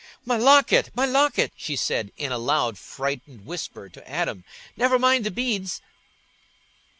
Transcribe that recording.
"My locket, my locket!" she said, in a loud frightened whisper to Adam; "never mind the beads."